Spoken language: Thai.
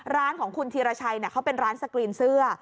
ร้านของคุณธีรชัยเขาเป็นร้านสกรีนเสื้อ